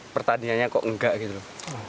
pertandingannya kok enggak gitu